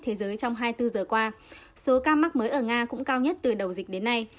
thế giới trong hai mươi bốn giờ qua số ca mắc mới ở nga cũng cao nhất từ đầu dịch đến nay